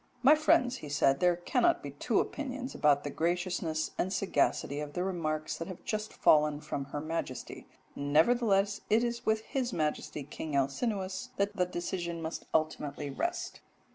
'My friends,' he said, 'there cannot be two opinions about the graciousness and sagacity of the remarks that have just fallen from Her Majesty; nevertheless it is with His Majesty King Alcinous that the decision must ultimately rest.'